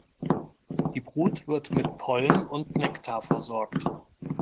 Die Brut wird mit Pollen und Nektar versorgt.